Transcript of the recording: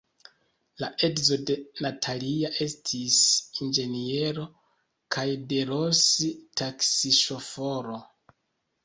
La edzo de Natalia estis inĝeniero kaj de Ros – taksiŝoforo.